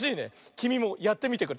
きみもやってみてくれ。